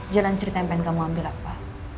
jangan ceritain pengen kamu ambil apa